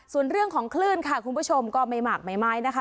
ส่วนเรื่องของคลื่นค่ะคุณผู้ชมก็ไม่หมากไม่ไม้นะคะ